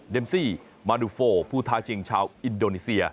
ซี่มานูโฟผู้ท้าชิงชาวอินโดนีเซีย